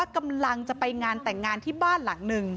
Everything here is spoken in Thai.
กำลังจะไปงานแต่งงานที่บ้านหลังหนึ่ง